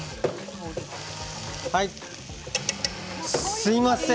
すいません。